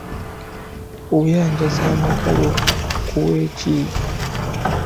Oyanjaza amagalo nkuwe ki?